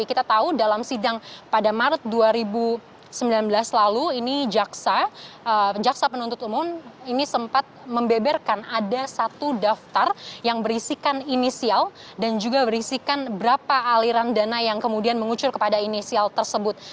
jadi kita tahu dalam sidang pada maret dua ribu sembilan belas lalu ini jaksa penuntut umum ini sempat membeberkan ada satu daftar yang berisikan inisial dan juga berisikan berapa aliran dana yang kemudian mengucur kepada inisial tersebut